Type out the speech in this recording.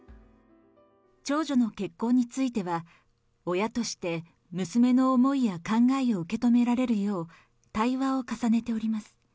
長女の結婚については、親として娘の思いや考えを受け止められるよう、対話を重ねております。